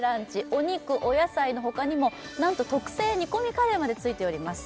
お肉お野菜のほかにもなんと特製煮込みカレーまでついております